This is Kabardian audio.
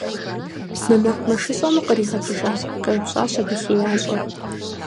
Мы мэкъумэшыщӀэм укъригъэкӀыжа? - къеупщӀащ абы хеящӀэр.